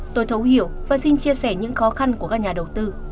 tôi thấu hiểu và xin chia sẻ những khó khăn của các nhà đầu tư